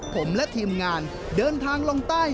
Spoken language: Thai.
ผมและทีมงานเดินทางลงใต้